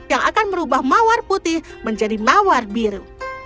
yang akan merubah mawar putih menjadi mawar biru